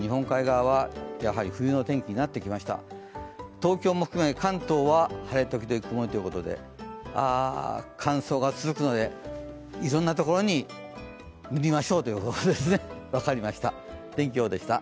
東京も含め関東は晴れ時々曇りということでああ、乾燥が続くのでいろんなところに塗りましょうということですね。